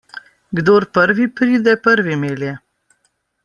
Kdor prvi pride, prvi melje.